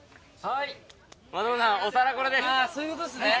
そういうことっすね。